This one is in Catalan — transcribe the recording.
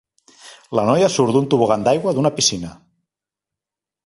La noia surt d'un tobogan d'aigua d'una piscina.